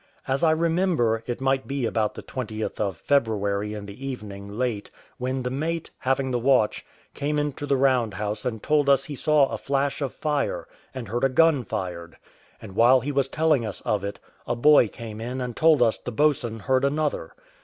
As I remember, it might be about the 20th of February in the evening late, when the mate, having the watch, came into the round house and told us he saw a flash of fire, and heard a gun fired; and while he was telling us of it, a boy came in and told us the boatswain heard another.